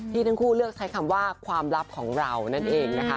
ทั้งคู่เลือกใช้คำว่าความลับของเรานั่นเองนะคะ